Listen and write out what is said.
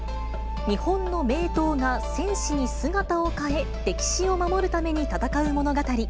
日本の名刀が戦士に姿を変え、歴史を守るために戦う物語。